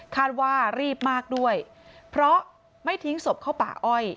ว่ารีบมากด้วยเพราะไม่ทิ้งศพเข้าป่าอ้อย